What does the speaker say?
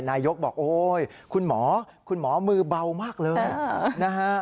นายกบอกโอ๊ยคุณหมอคุณหมอมือเบามากเลยนะฮะ